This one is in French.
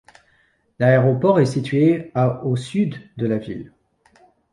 L'aéroport est situé à au sud de la ville.